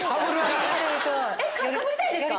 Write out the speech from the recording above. かぶりたいですか？